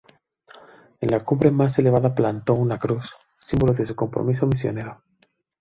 En la cumbre más elevada plantó una cruz, símbolo de su compromiso misionero.